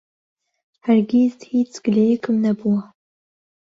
هەرگیز هیچ گلەیییەکم نەبووە.